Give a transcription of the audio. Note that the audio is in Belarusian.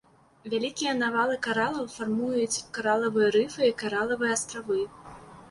Вялікія навалы каралаў фармуюць каралавыя рыфы і каралавыя астравы.